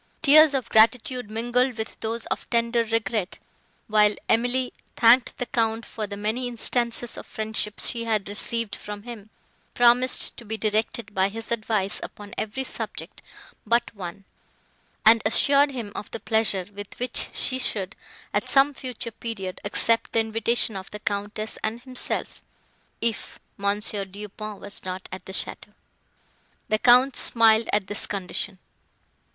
Tears of gratitude mingled with those of tender regret, while Emily thanked the Count for the many instances of friendship she had received from him; promised to be directed by his advice upon every subject but one, and assured him of the pleasure, with which she should, at some future period, accept the invitation of the Countess and himself—If Mons. Du Pont was not at the château. The Count smiled at this condition.